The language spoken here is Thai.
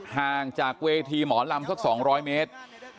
ห่างจากเวทีหมอลำสัก๒๐๐เมตร